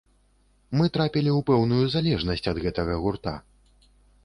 Мы трапілі ў пэўную залежнасць ад гэтага гурта.